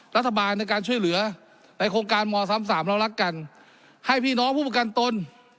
รัฐบาลในการช่วยเหลือในโครงการม๓๓เรารักกันให้พี่น้องผู้ประกันตน